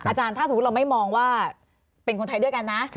อาจารย์ถ้าสมมุติเราไม่มองว่าเป็นคนไทยด้วยกันนะ